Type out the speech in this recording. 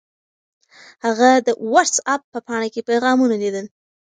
هغه د وټس اپ په پاڼه کې پیغامونه لیدل.